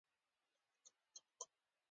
هلته د غرنیو هوسیو د منډو غږونه راځي